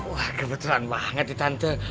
wah kebetulan banget di tante